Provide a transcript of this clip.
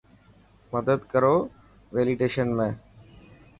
مدد ڪرو ويليڊشن ۾.